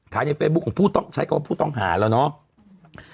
ขายในเฟย์บุ๊คของผู้ต้องใช้กับผู้ต้องหาแล้วเนาะ